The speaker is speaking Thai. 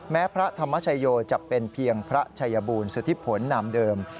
พระธรรมชโยจะเป็นเพียงพระชัยบูรณสุธิผลนามเดิม